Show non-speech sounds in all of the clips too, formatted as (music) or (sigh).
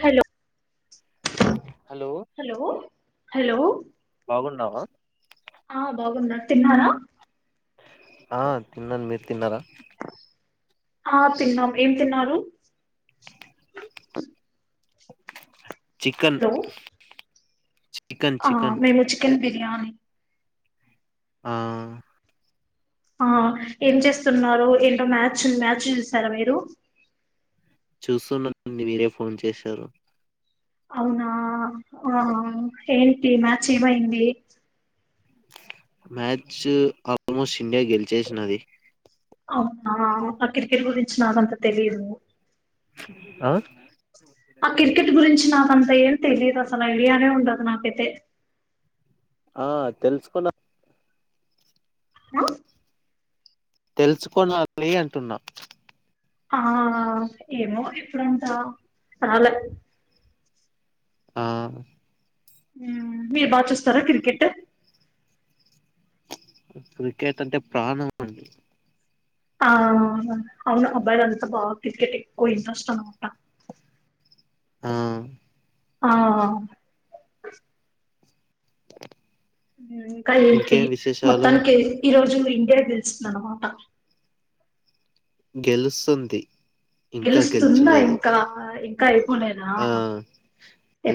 hello hello hello బాగున్నావా ఆ బాగున్న తిన్నార ఆ తిన్నాను మీరు తిన్నారా ఆ తిన్నాం ఏం తిన్నారు చికెన్ హలో చికెన్ ఆ చికెన్ మేము చికెన్ బి ర్యాని ఆ ఆ ఏం చేస్తున్నారు ఏంటో మ్యాచ్ ఉంది మ్యాచ్ చూసారా మీరు చూస్తున్నాం అండి మీరే ఫోన్ చేశారు అవునా ఆ హా ఏంటి మ్యాచ్ ఏమయింది మ్యాచ్ ఆల్మోస్ట్ ఇండియా గెలిచేసినది అవునా ఆ క్రికెట్ గురి చి నాకంత తెలిదు ఆ ఆ క్రికెట్ గురించి నా కంత ఏం తెలియదు అసలు ఐడియానే ఉండదు నాకైతే ఆ తెలుసుకున్నా అ తెలుసుకోనాలి అంటున్నా ఆ ఏమో ఎప్పుడంటా చాల ఆ హ్మ్ మీరు బాగా చూస్తారా కిర్కెట్ క్రికెట్ అంటే ప్రాణం అండి ఆ అవును అబ్బాయిలంతా బాగా క్రికెట్ ఎక్కువ ఇంట్రెస్ట్ అన్నమాట ఆ ఆ హ్మ్ ఇంకా ఏంటి ఇంకేం విశేషాలు మొత్తానికి ఈ రోజు ఇండియా గెలుస్తుంది అన్నమాట గెలుస్తుంది ఇంకా గెలుస్తుందా గెలిచలేదు ఇంకా ఆ ఆ పోలేదా ఆ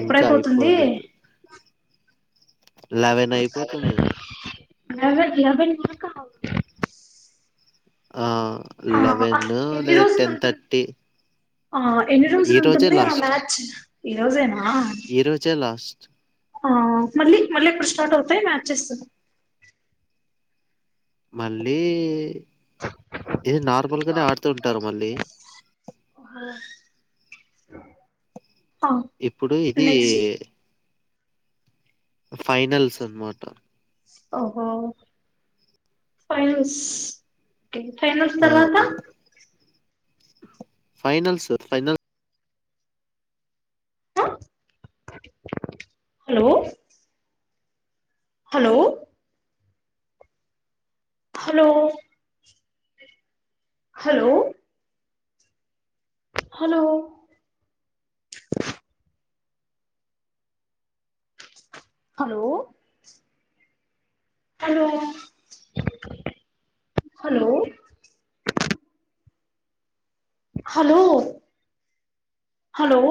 ఇంకా అయిపోలేదు లెవెన్ అయిపోతుంది అదే ఎవరి క (unintelligible) ఆ లెవెన్ ఎన్ని లేదా రోజులు టెన్ ఉంటుంది తర్టీ ఆ ఎన్ని రోజులు ఉంటుంది ఆ మ్యాచ్ ఈ రోజేనా ఈరోజే లాస్ట్ ఆ మళ్లీ మళ్లీ ఎప్పుడు స్టార్ట్ అవుతాయి మ్యాచెస్ మళ్లీ ఇది నార్మల్గానే ఆడుతూ ఉంటారు వాళ్లు అ ఇప్పుడు ఇది ఏ ఇది ఫైనల్స్ అన్నమాట ఓహో ఫైనల్స్ ఇంకా ఎన్ని ఫైనల్స్ ఉన్నాయి ఓహో ఫైనల్స్ ఫైనల్స్ వాహ్ hello hello hello hello hello hello hello hello hello హాల్లో